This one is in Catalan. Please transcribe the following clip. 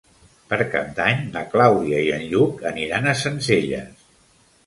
Per Cap d'Any na Clàudia i en Lluc aniran a Sencelles.